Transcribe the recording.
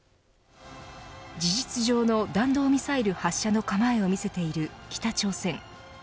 事実上の弾道ミサイル発射の構えを見せている北朝鮮。